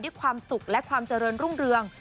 ด้วยความสุขและความเจริญรุ่งเรือง